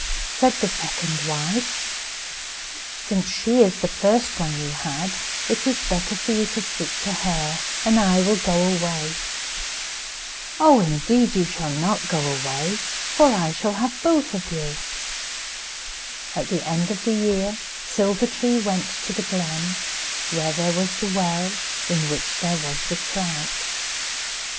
Said the second wife, "Since she is the first one you had it is better for you to stick to her, and I will go away." "Oh! indeed you shall not go away, but I shall have both of you." At the end of the year, Silver tree went to the glen, where there was the well, in which there was the trout.